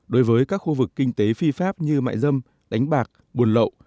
đối với các khu vực kinh tế phi pháp như mại dâm đánh bạc buồn lậu